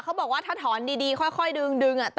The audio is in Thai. เขาบอกว่าถ้าถอนดีค่อยดึง